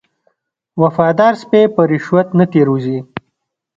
وفادار سپی په رشوت نه تیر وځي.